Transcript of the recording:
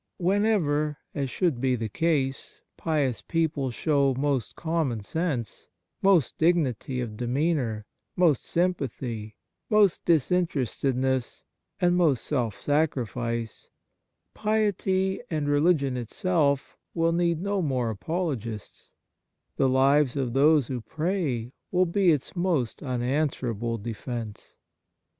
Whenever — as should be the case — pious people show most common sense, most dignity of demeanour, most sympathy, most disinterested ness and most self sacrifice, piety and religion itself will need no more apolo gists ; the lives of those who pray will be its most unanswerable defence.